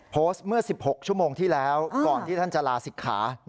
โพสต์เมื่อ๑๖ชั่วโมงที่แล้วก่อนที่ท่านจะลาศิกขา